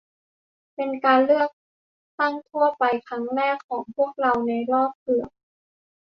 เป็นการเลือกตั้งทั่วไปครั้งแรกของพวกเราในรอบเกือบ